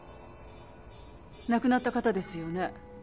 亡くなった方ですよね？